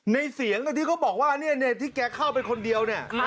ในเสียงที่เขาบอกว่านี่ที่แกเข้าเป็นคนเดียว